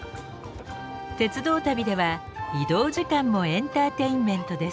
鉄道旅では移動時間もエンターテインメントです。